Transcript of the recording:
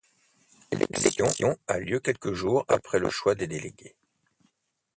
L'élection a lieu quelques jours après le choix des déléguées.